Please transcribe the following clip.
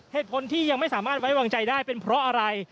เหตุผลที่ยังไม่สามารถไว้วางใจได้เป็นเพราะอะไร